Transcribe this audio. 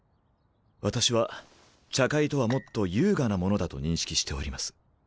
私は茶会とはもっと優雅なものだと認識しております。